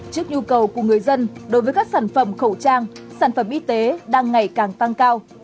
trước nhu cầu của người dân đối với các sản phẩm khẩu trang sản phẩm y tế đang ngày càng tăng cao